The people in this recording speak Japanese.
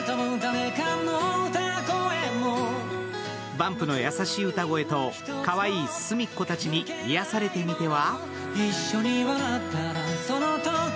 ＢＵＭＰの優しい歌声とかわいいすみっコたちに癒やされてみては？